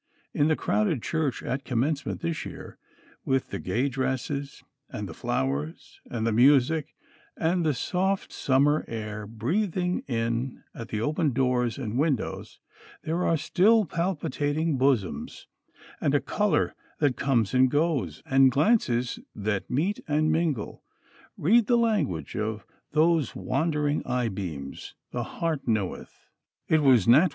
In the crowded church at Commencement this year, with the gay dresses and the flowers and the music and the soft summer air breathing in at the open doors and windows, there are still palpitating bosoms, and a color that comes and goes, and glances that meet and mingle "read the language of those wandering eye beams the heart knoweth." It was "Nat.